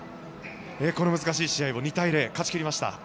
この難しい試合を２対０で勝ち切りました。